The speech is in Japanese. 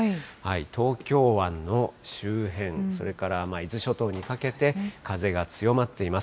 東京湾の周辺、それから伊豆諸島にかけて、風が強まっています。